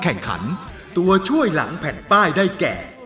แข่งขันตัวช่วยหลังแผ่นป้ายได้แก่